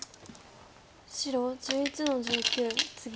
白１１の十九ツギ。